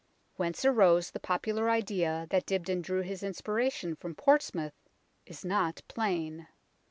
Whence arose the popular idea that Dibdin drew his inspiration from Portsmouth is not plain.